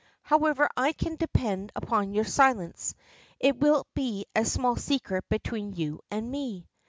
However, I can depend upon your silence. It will be a small secret between you and me."